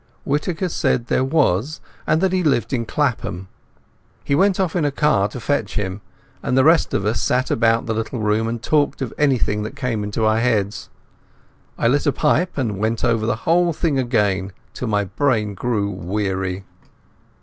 Whittaker said there was, and that he lived in Clapham. He went off in a car to fetch him, and the rest of us sat about the little room and talked of anything that came into our heads. I lit a pipe and went over the whole thing again till my brain grew weary.